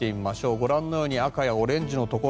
ご覧のように赤やオレンジのところ。